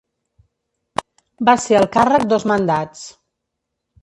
Va ser al càrrec dos mandats.